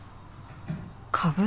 株？